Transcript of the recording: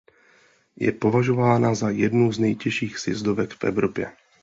Je považována za jednu z nejtěžších sjezdovek v Evropě.